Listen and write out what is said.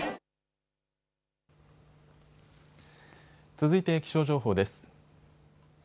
続いて気象情報です。